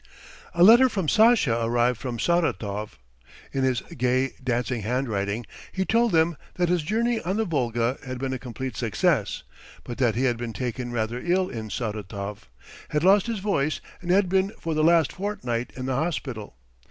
A letter from Sasha arrived from Saratov. In his gay dancing handwriting he told them that his journey on the Volga had been a complete success, but that he had been taken rather ill in Saratov, had lost his voice, and had been for the last fortnight in the hospital.